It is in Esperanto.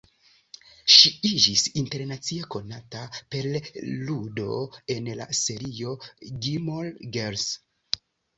Ŝi iĝis internacie konata per ludo en la serio "Gilmore Girls".